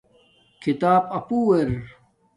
کھیتاپ اپو ار